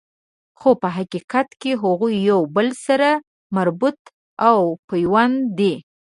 خو په حقیقت کی هغوی یو د بل سره مربوط او پیوند دي